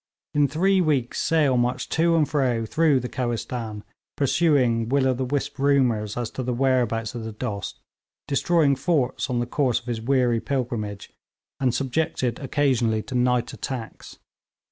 In three weeks Sale marched to and fro through the Kohistan, pursuing will o' the wisp rumours as to the whereabouts of the Dost, destroying forts on the course of his weary pilgrimage, and subjected occasionally to night attacks.